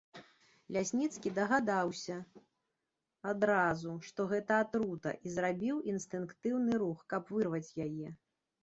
Лясніцкі дагадаўся адразу, што гэта атрута, і зрабіў інстынктыўны рух, каб вырваць яе.